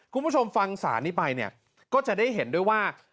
คุณผู้ชมฟังศาลนี้ไปเนี่ยก็จะได้เห็นด้วยว่า